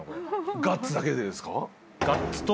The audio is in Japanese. ガッツだけでですか？